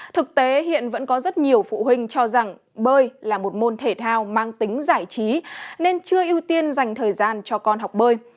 thực tế hiện vẫn có rất nhiều phụ huynh cho rằng bơi là một môn thể thao mang tính giải trí nên chưa ưu tiên dành thời gian cho con học bơi